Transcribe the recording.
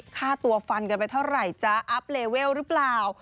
ค่าตัวฟันกันไปเท่าไหร่จ๊ะอัพเลเวลหรือเปล่า